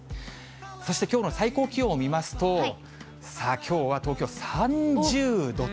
そしてきょうの最高気温を見ますと、きょうは東京３０度と。